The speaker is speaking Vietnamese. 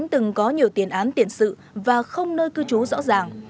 từng có nhiều tiền án tiền sự và không nơi cư trú rõ ràng